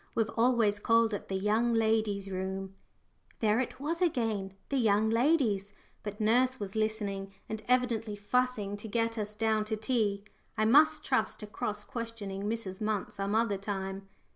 We've always called it the young ladies' room." There it was again the young ladies; but nurse was listening and evidently fussing to get us down to tea. I must trust to cross questioning Mrs. Munt some other time.